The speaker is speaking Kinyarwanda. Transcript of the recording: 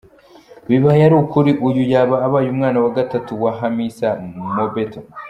Bibaye ari ukuri uyu yaba abaye umwana wa gatatu wa Hamisa Mobeto.